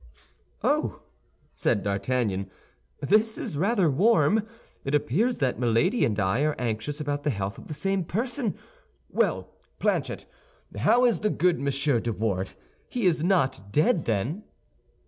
"Oh!" said D'Artagnan, "this is rather warm; it appears that Milady and I are anxious about the health of the same person. Well, Planchet, how is the good Monsieur de Wardes? He is not dead, then?"